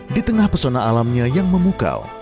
di tengah pesona alamnya yang memukau